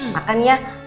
makan ya sakit